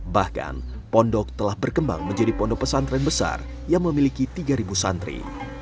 bahkan pondok telah berkembang menjadi pondok pesantren besar yang memiliki tiga santri